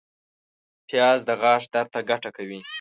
پیاز د غاښ درد ته ګټه کوي